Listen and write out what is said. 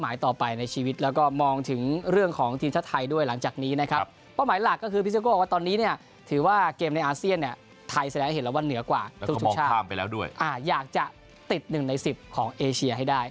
อยากจะติด๑ใน๑๐ของอเชียให้ได้